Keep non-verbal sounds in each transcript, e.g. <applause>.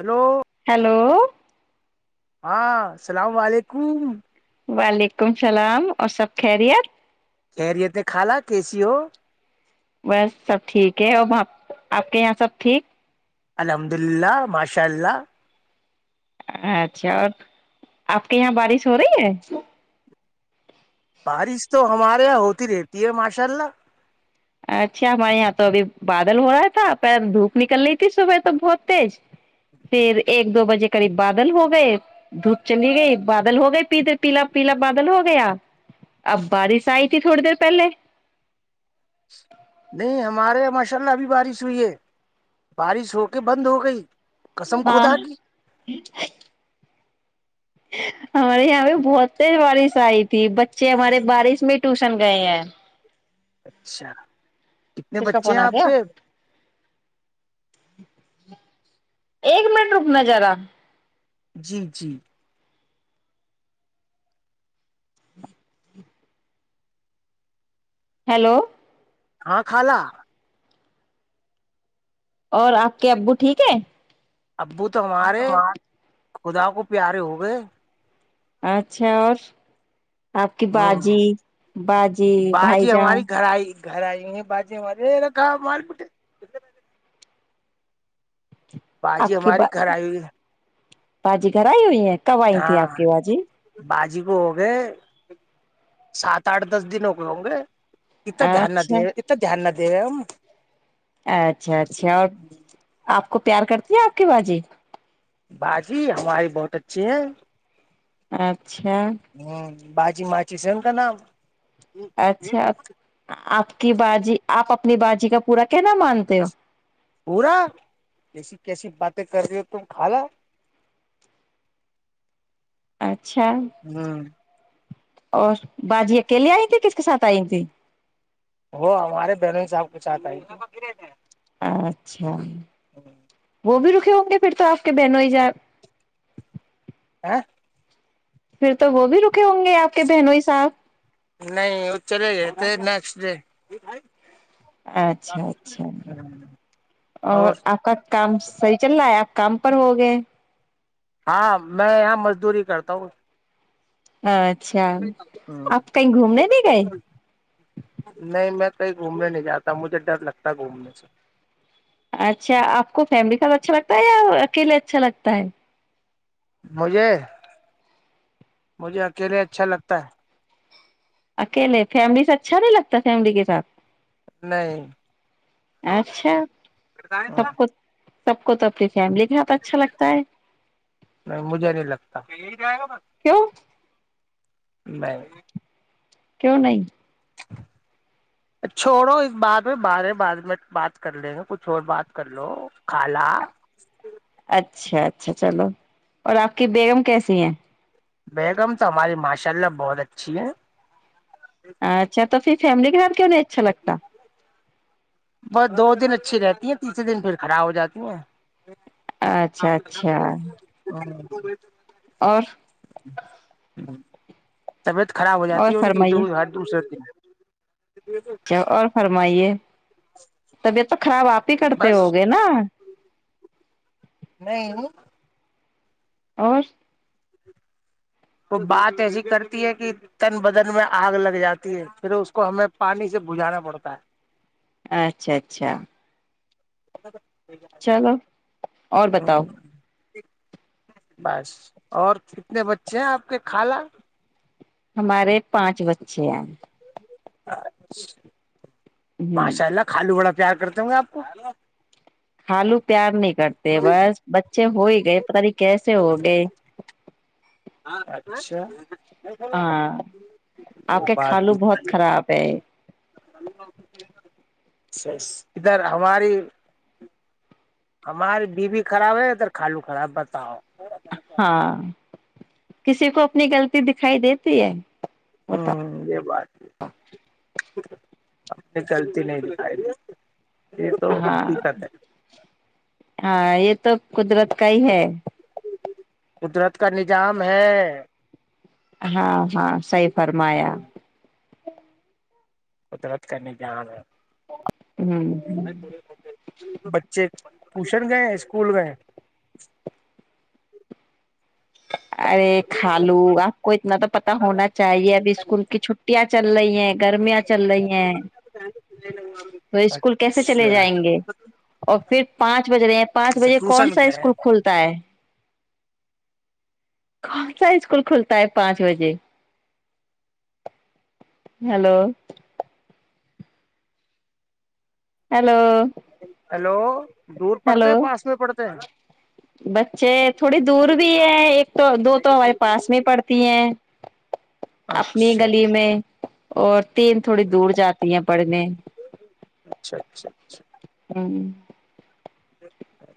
Hello hello <inaudible> ہاں اللام علیکم وعلیکم السلام اور سب خیریت خریت کالا کیسی ہو بس سب ٹھیک ہے اور آپ کے یہاں سب ٹھیک الحمد للہ ماشاء اللہ اچھا اور آپ کے یہاں بارش ہو رہی ہے بارش تو ہمارے یہاں ہوتی رہتی ہے ماشاء اللہ اچھا ہمارے یہاں تو ابھی بادل ہو رہا تھا پ دھوپ نکل رہی تھی صبح تو بہت تیز پھر ایک دو بجے قریب بادل ہو گئے دھوپ چلی گئی بادل ہو گئے پیتے پیلا پیلا بادل ہو گیا اب بارش آئی تھی تھوڑی دیر پہلے نہیں ہمارے ماشاء اللہ ابھی بارش ہوئی ہے بارش ہو کے بند ہو گئی قسم ہاں خدا کی <inaudible> ہمارے یہاں پہ بہت بارش آئی تھی بچے ہمارے بارش میں ٹیوشن گئے ہیں اچھا <inaudible> کتنے کس کا بچے فون ہیں آ آپ گیا پہ ایک منٹ رکنا ج رہا جی جی <inaudible> ہیلو <inaudible> ہاں کالا <inaudible> اور آپ کے ابو ٹھیک ہے ابو تو ہمارے خدا کو پیارے ہو گئے اچھا اور آپ کی ہ باجی باجی باجی بھائیجان ہماری گھر آئی گھر آئی ہ بجے مارے رکھا مال پٹ باجی آپ کی ہماری با گھر آئی ہوئی باجی گر ہی ہوئی ہے کب آئی تھی ہاں آپ کی بازی باجی کو ہو گے سات آٹھ دس دن ہو گئے ہوں گے ات دھیان نہ د اچھا ات دھیان نہ د دم اچھا اچھا کو پیار کرتی ہے آپ کے باازی باجی ہماری بہت اچھی ہے ہاں اچھا بجی مچی س انتا نا اچھا آپ کی باازی آپ اپنی بازی کا پورا کہنا مانتے ہو پورا جسی کیسی باتیں کر رہی ہو تم کھا لا اچھا ہوں اور بازی اکیلیے آئی تھی کس کے ساتھ آئی تھی وہ ہمارے بہنوں صاحب کو چاہتا ہے اچھا <inaudible> وہ بھی رکے ہوں گے پھر تو آپ کے بہن ہو ہی جائے <inaudible> پھر تو وہ بھی رکے ہوں گے آپ کے بہنوں ہی صاحب نہیں ا چلے گئے تھے نیکسٹ ڈے اچھا اچھا اور آپ کا کام صحیح چل رہا ہے آپ کام پر ہو گئے ہاں میں یہاں مزدوری کرتا ہوں ہاں اچھا آپ کہیں گھومنے د گئے نہیں میں کہیں گھومنے نہیں جاتا مجھے ڈر لگتا گھومنے سے اچھا آپ کو فیملی کا اچھا لگتا ہے یا اکیلے اچھا لگتا ہے مجھے مجھے اکیلے اچھا لگتا ہے اکیلے فیملی سے اچھا نہیں لگتا فیملی کے ساتھ ہے نہیں اچھا اب خود سب کو تکلیف فیملی کے ہاتھ اچھا لگتا ہے نہیں مجھے نہیں لگتا کیوں نہیں کیوں نہیں چھوڑو اس بار میں بارے بعد میں بات کر لیں گے کچھ اور بات کر لو کالا اچھا اچھا چلو اور آپ کی بیگم کیسی ہے بیگم تو ہماری ماشاء اللہ بہت اچھی ہے اچھا تو پھر فیملی کے ساتھ کیوں نہیں اچھا لگتا بس دو دن اچھی رہتی ہیں تیسرے دن پھر خراب ہو جاتی ہیں آ اچھا اچھا اور <unintelligible> ب ہ <unintelligible> طبیعت خراب ہو اور جاتی ہے ان کی تو وہ ہاتد اسرتی ہے اچھ اور فرمائیے طبیعت تو خراب آپ ہی کرتے بس ہو گے نا نہیں اور وہ بات ایسی کرتی ہے کہ تن بدن میں آگ لگ جاتی ہے پھر اس کو ہمیں پانی سے بجانا پڑتا ہے اچھا اچھا <inaudible> چلو اور بتاؤ بس اور کتنے بچے ہیں آپ کے خالہ ہمارے پانچ بچے ہیں <inaudible> ہ معاشاءلہ خالو بڑا کیا کرتے ہوں گے آپ کو ہالو پیار نہیں کرتے بس بچے ہو ہی گئے پت نہیں کیسے ہو گئے اچھا ہاں آپ وہ کے کالو بات بہت خراب ہے ادھر ہماری ہماری بیوی خراب ہے یا تھر خالو خراب بتاؤ ہاں کسی کو اپنی غلطی دکھائی دیتی ہے ہاں بتاؤ یہ بات ہے اپنی غلطی نہیں دکھائی یہ تو ہاں حقیقت ہے ہاں یہ تو قدرت کا ہی ہے قدرت کا نظام ہے ہاں ہاں صحیح فرمایا قدرت کا نظام ہوں ہ پوشن گئے اسکول گئے <unintelligible> ارے کھ لو آپ کو اتنا تو پتا ہونا چاہیے اب اسکول کی چھٹیاں چل رہی ہیں گرمیاں چل رہی ہیں تو اسکول کیسے چلے اچھا جائیں گے اور پھر پانچ بج رہے ہیں پانچ اچھا بجے کون ٹیوشن سا گئے ہیں۔ اسکول کھلتا ہے کون سا اسکول کھلتا ہے پانچ بجے ہیلو ہیلو ہلو ہلو بچے تھوڑی دور بھی ہیں ایک تو دو تو ہمارے پاس میں پڑتی ہیں اپنی اچھا گلی میں اور تین تھوڑی دور جاتی ہیں پڑھنے اچھا اچھا ہوں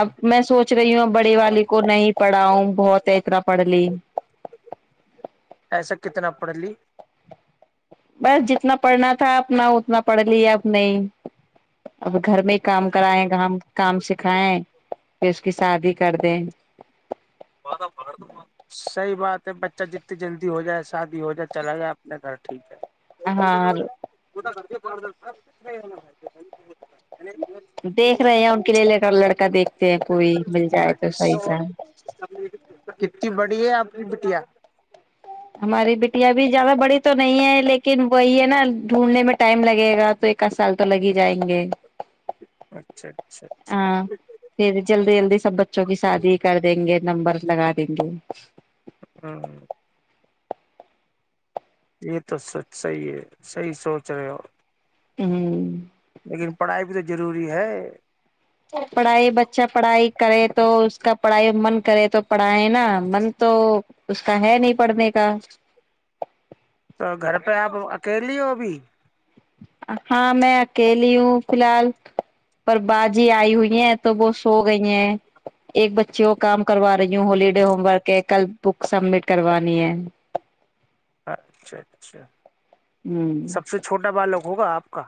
اب میں سوچ رہی ہوں ا بڑے والے کو نہیں پڑھاؤوں بہت ہے اتنا پڑھ لی ا پڑی بس جتنا پڑھنا تھا اپنا اتنا پڑھ ل اب نہیں اب گھر میں ہی کام کرائائےیں گ ہم کام سکھائیں پھر اس کی شادی کر دیں صحیح بات ہے بچہ جتنی جلدی ہو جائے شادی ہو جہ چلا یا اپنے گھر ٹھیک ہے ہاں سب دیکھ رہے ہیں ان کے لیے لے کر لڑکا دیکھتے ہیں کوئی مل جائے تو صحیح اچھا سا کتنی بڑی ہے آپ کی بٹیا ہماری بیٹیاں بھی زیادہ بڑی تو نہیں ہے لیکن وہی ہے نا ڈھونڈنے میں ٹائم لگے گا تو ایک آدھ سال تو لگ ہی جائیں گے اچھا اچھا اچھا ہاں پھر جلدی جلدی سب بچوں کی شادی کر دیں گے نمبر لگا جی ہاں یہ تو سچ صحیح ہے صحیح سوچ رہے ہو ہوں لیکن پڑھائی بھی تو ضروری ہے پڑھائی بچہ پڑھائی کرے تو اس کا پڑھائی من کرے تو پڑھائیں نا من تو اس کا ہے نہیں پڑھنے کا تو گھر پہ آپ اکیلیے ہو بھی ہاں میں اکیلی ہوں فی الحال پر بازی آئی ہوئی ہیں تو وہ سو گئی ہیں ایک بچے کو کام کروا رہی ہوں ہوالڈے ہوم ورک کے کل بک سبمٹ کروانی ہے اچھا اچھا ہ سب سے چھوٹا بالک ہوگا آپ کا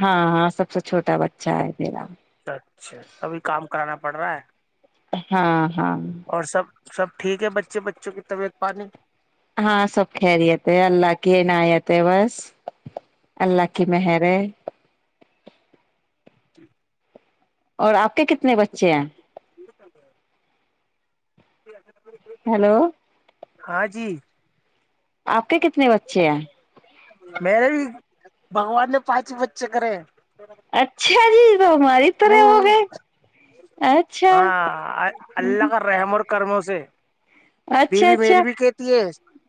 ہاں ہاں سب سے چھوٹا بچہ ہے ما اچھا اچھا ابھی کام کرانا پڑ رہا ہے ہاں ہاں اور سب سب ٹھیک ہے بچے بچوں کی طبیعت پانی ہاں سب خیریت ہے اللہ کی عنایت ہے بس اللہ کی مہر جٹھ اور آپ کے کتنے بچے ہیں ج کہ جی ہیلو ہاں جی آپ کے کتنے بچے ہیں بگوان نے پانچ بچے کرے اچھا جی تو ہماری ہ طرح ہو گئے اچھا ہاں اللہ کا رحمر سمو سے اچھا بیوی اچھا میری بھی کہتی ہے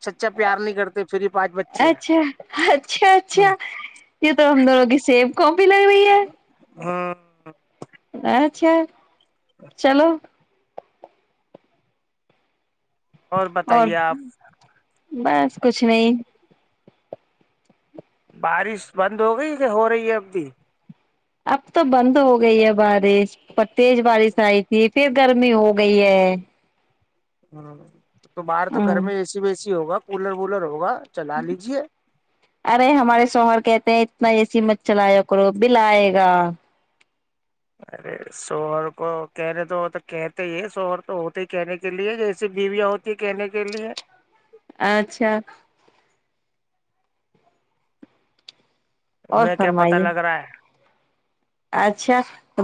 سچا پیار نہیں کرتے پھر ہی پانچ بچے اچھا اچھا ہیں اچھا یہ تو ہمدور سیب کوم بھی لگ <unintelligible> ہاں اچھا چلو اور بتائیے آپ بس کچھ نہیں بارش بند ہو گئی کہ ہو رہی ہے اب بھی اب تو بند ہو گئی ہے بارش تیز بارش آئی تھی پھر گرمی ہو گئی ہے ہ <inaudible> تو باہر تو گھر ہوں میں ایسی وسی ہوگا کولر ولر ہوگا چلا لیجے ارے ہمارے شوہر کے اتنا اے سی مت چلایا کرو بل ائے گا ارے شوہر کو کہنے تو تو کہتے ہی شوہر تو ہوتے ہی کہنے کے لیے جیسے بیویاں ہوتی ہے کہنے کے لیے اچھا اور انہیں کیا پتا فرمائیے لگ رہا ہے اچھا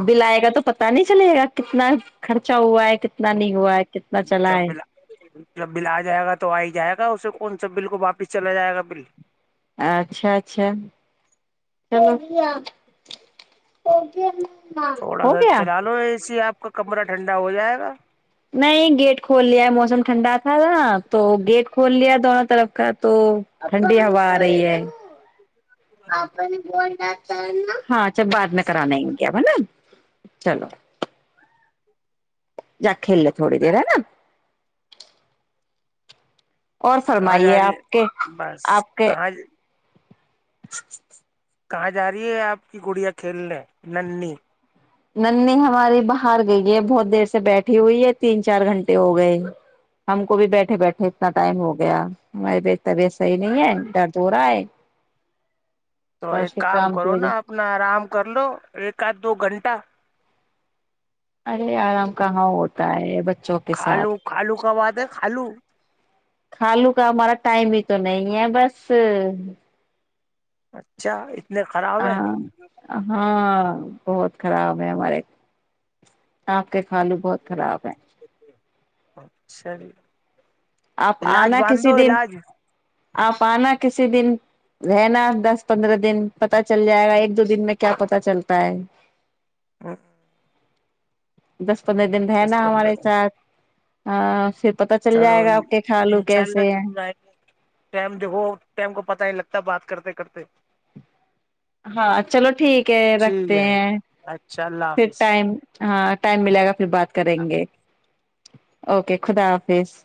بل آئے گا تو پتا نہیں چلے گا کتنا خرچا ہوا ہے کتنا نہیں ہوا ہے کتنا چلا جب ہے بلا جب بل آ جائے گا تو آ ہی جائے گا اسے کون سا بل کو واپس چلا جائے گا بل اچھا اچھا چلو تھوڑا ہو سا گیا چلا لو اے سی آپ کا کمرہ ٹھنڈا ہو جائے گا نہیں گیٹ کھول لیا ہے موسم ٹھنڈا تھا نا تو گیٹ کھول لیا دونوں طرف کا تو ٹھنڈی ہوا آ رہی ہے ب ہاں جب بد میں کرانا کہاں کیا ہے نا چلو جا کھیلیں تھوڑی دیر ہے نا اور فرمائیے جا رہی آپ کے ہے بس آپ کے کہاں <unintelligible> کہاں جا رہی ہے آپ کی گڑیا کھیلنے نھی نی ہماری باہر گئی ہے بہت دیر سے بیٹھی ہوئی ہے تین چار گھنٹے ہو گئے ہم کو بھی بیٹھے بیٹھے اتنا ٹائم ہو گیا ہمارے طبیعت صحی نہیں ہے درد ہو رہا ہے تو پر ایک اس کے کام کی کرو وجہ نا اپنا آرام کر لو ایک آھ دو گھنٹہ ارے آرام کہاں ہوتا ہے ب خالو خالو کب بات ہے خالو کھا لوں کا ہمارا ٹائم بھی تو نہیں ہے بس اچھا اتنے خراب ہے آاں ہاں بہت خراب ہے ہمارے آپ کے خھالو بہت خراب ہے اچچلی آپ آنا کسی دن آپ آنا کسی دن رہنا دس پندرہ دن پتا چل جائے گا ایک دو دن میں کیا پتا چلتا ہے پق دس پندرہ دن رہنا ہمارے پندرہ ساتھ ہ پتا چل چلو جائے گا آپ کو کے کھا لو کیسے ٹم دیکھو ٹم کو پتاہ نہیں لگتا بات کرتے کرتے ہاں چلو ٹھیک ہے ٹھیک رکھتے ہے ہیں اچھا اللہ پھر حافظ ٹائم ہاں ٹائم ملے گا پھر بات اللہ کریں گے اوکے خدا حافظ